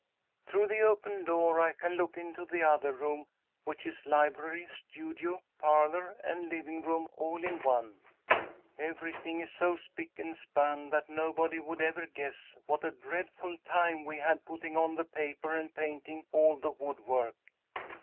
"'Through the open door I can look into the other room, which is library, studio, parlour, and living room all in one. Everything is so spick and span that nobody would ever guess what a dreadful time we had putting on the paper and painting all the woodwork.